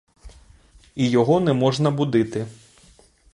І його не можна будити.